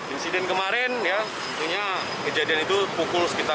insiden kemarin ya kejadian itu pukul sekitar enam belas dua puluh